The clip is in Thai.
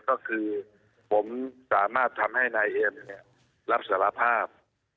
ก็คือผมสามารถทำให้นายเอียมรับสารภาพ